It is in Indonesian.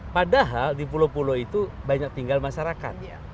padahal di pulau pulau itu banyak tinggal masyarakat